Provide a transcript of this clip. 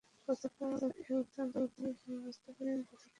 পতাকার এ উত্থান-পতনে তিনি বুঝতে পারেন পতাকাধারী আহত।